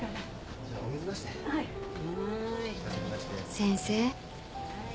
先生。